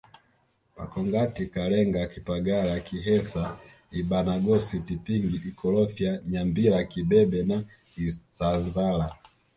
Makongati Kalenga kipagala kihesa Ibanagosi Tipingi Ikolofya Nyambila kibebe na Isanzala